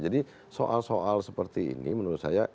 jadi soal soal seperti ini menurut saya